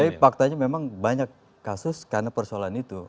tapi faktanya memang banyak kasus karena persoalan itu